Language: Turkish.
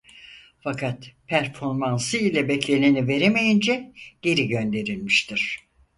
Fakat performansı ile bekleneni veremeyince geri gönderilmiştir.